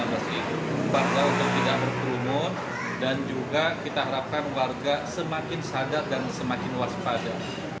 warga untuk tidak berkerumun dan juga kita harapkan warga semakin sadar dan semakin waspada